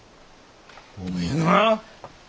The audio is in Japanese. おめえが？